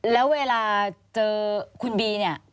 แล้วเวลาเจอคุณบีเนี่ย